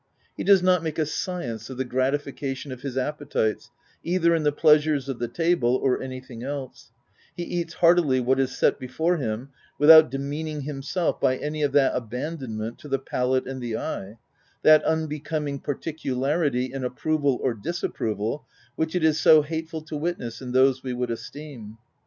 He does not make a science of the gratification of his appe tites either in the pleasures of the table or any thing else ; he eats heartily what is set before him, without demeaning himself by any of that abandonment to the palate and the eye — that unbecoming particularity in approval or dis approval which it is so hateful to witness in those we would esteem.